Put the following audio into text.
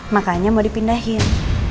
makanya mau dipindahin